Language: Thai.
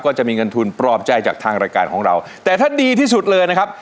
จะมีเงินทุนปลอบใจจากทางรายการของเราแต่ถ้าดีที่สุดเลยนะครับ